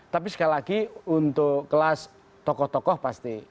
tapi sekali lagi untuk kelas tokoh tokoh pasti